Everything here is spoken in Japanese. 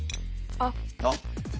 あっ。